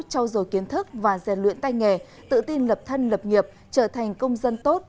trao dồi kiến thức và rèn luyện tay nghề tự tin lập thân lập nghiệp trở thành công dân tốt